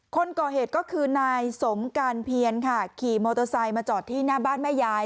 คนก่อเหตุก็คือนายสมการเพียนค่ะขี่มอเตอร์ไซค์มาจอดที่หน้าบ้านแม่ยาย